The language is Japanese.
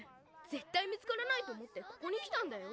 ぜったい見つからないと思ってここに来たんだよ。